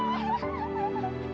gue yang menang